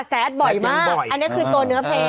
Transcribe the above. แซดบ่อยมากอันนี้คือตัวเนื้อเพลง